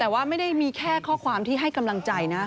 แต่ว่าไม่ได้มีแค่ข้อความที่ให้กำลังใจนะ